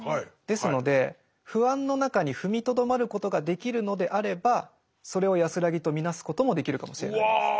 ですので不安の中に踏みとどまることができるのであればそれを安らぎと見なすこともできるかもしれないです。